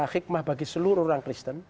hikmah bagi seluruh orang kristen